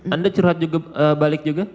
anda curhat juga balik juga